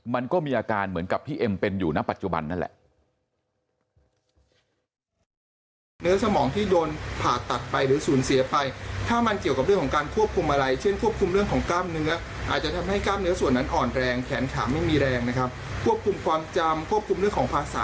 มันก็มีอาการเหมือนกับที่เอ็มเป็นอยู่ณปัจจุบันนั่นแหละ